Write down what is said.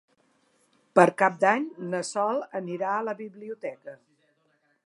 Per Cap d'Any na Sol anirà a la biblioteca.